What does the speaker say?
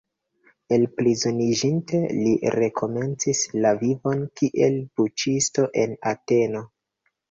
Elprizoniĝinte, li rekomencis la vivon kiel buĉisto en Ateno.